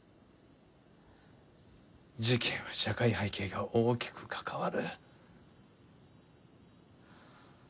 事件は社会背景が大きく関わる。